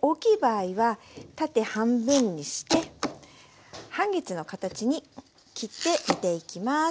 大きい場合は縦半分にして半月の形に切って煮ていきます。